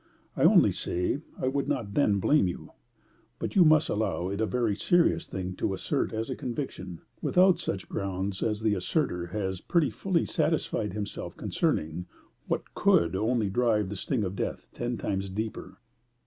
I only say, I would not then blame you. But you must allow it a very serious thing to assert as a conviction, without such grounds as the assertor has pretty fully satisfied himself concerning, what COULD only drive the sting of death ten times deeper."